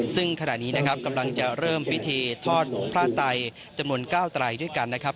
ซึ่งขณะนี้นะครับกำลังจะเริ่มพิธีทอดพระไตจำนวน๙ไตรด้วยกันนะครับ